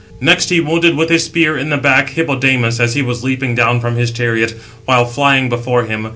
Next he wounded with his spear in the back, Hippodamas, as he was leaping down from his chariot, while flying before him.